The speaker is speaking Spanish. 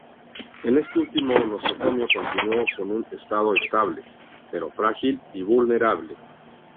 En este último nosocomio continuó con un estado estable, pero frágil y vulnerable.